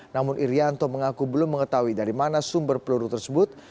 namun irianto mengaku belum mengetahui dari mana sumber peluru tersebut